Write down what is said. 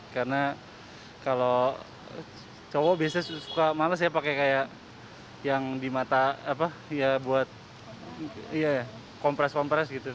karena kalau cowok biasanya suka males ya pakai yang di mata buat compress compress gitu